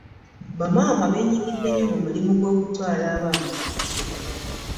Bamaama benyigidde nnyo mu mulimu gw'okutwala abaana ku masomero.